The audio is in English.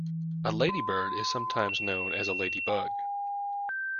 A ladybird is sometimes known as a ladybug